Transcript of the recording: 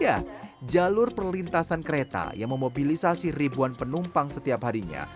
ya jalur perlintasan kereta yang memobilisasi ribuan penumpang setiap harinya